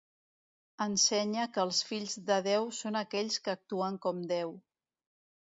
Ensenya que els fills de Déu són aquells que actuen com Déu.